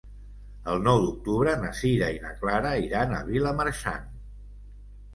El nou d'octubre na Sira i na Clara iran a Vilamarxant.